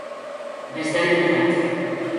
Descenden catro.